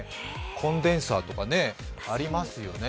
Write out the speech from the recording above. コンベンサーとかありますね。